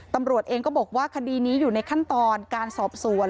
ตำรวจเองก็บอกว่าคดีนี้อยู่ในขั้นตอนการสอบสวน